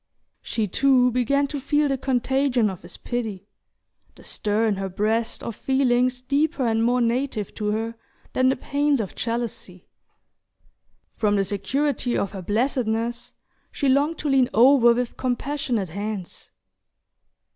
She too began to feel the contagion of his pity the stir, in her breast, of feelings deeper and more native to her than the pains of jealousy. From the security of her blessedness she longed to lean over with compassionate hands...